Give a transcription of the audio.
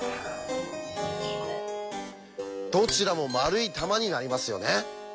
どちらも丸い球になりますよね。